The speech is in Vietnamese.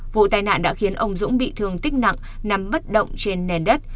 vụ tai nạn đã khiến ông dũng bị thương tích nặng nằm bất động trên nền đất